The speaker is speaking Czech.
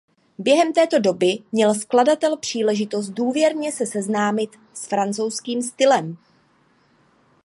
Během této doby měl skladatel příležitost důvěrně se seznámit s francouzským stylem.